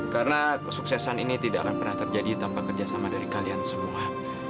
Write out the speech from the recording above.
karena kesuksesan ini tidak akan pernah terjadi tanpa kerjasama dari kalian semua